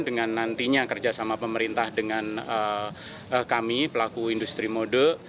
dengan nantinya kerjasama pemerintah dengan kami pelaku industri mode